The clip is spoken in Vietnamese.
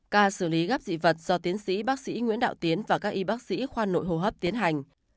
ca xử lý gáp dị vật do tiến sĩ bác sĩ nguyễn đạo tiến và các y bác sĩ khoa nội hô hấp tiến hành